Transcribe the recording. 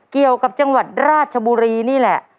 เกี่ยวกับจังหวัดราชบุรีนี่แหละ